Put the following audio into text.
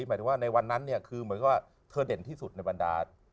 หมายถึงว่าในวันนั้นเนี่ยคือเหมือนกับว่าเธอเด่นที่สุดในบรรดา